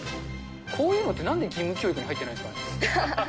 こういうのって、なんで義務教育に入ってないんですかね。